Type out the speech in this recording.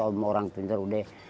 orang orang penjual udah